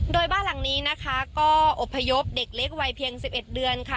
โดยบ้านหลังนี้นะคะก็อบพยพเด็กเล็กวัยเพียง๑๑เดือนค่ะ